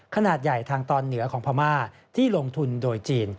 ขนาดใหญ่ทางตอนเหนือของพม่าที่ลงทุนโดยจีน